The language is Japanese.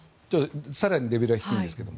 更にレベルは低いんですが。